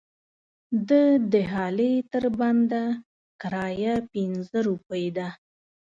د دهالې تر بنده کرایه پنځه روپۍ ده.